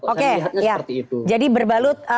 oke jadi berbalut